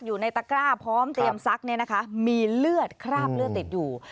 อยู่ในตะกร้าพร้อมเตรียมซักเนี่ยนะคะมีเลือดคราบเลือดติดอยู่